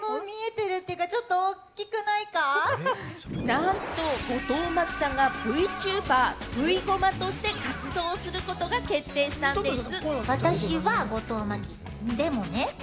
なんと後藤真希さんがＶｔｕｂｅｒ・ぶいごまとして活動することが決定したんでぃす！